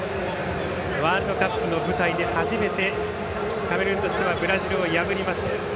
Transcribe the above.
ワールドカップの舞台で初めてカメルーンとしてはブラジルを破りました。